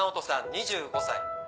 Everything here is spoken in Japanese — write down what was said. ２５歳。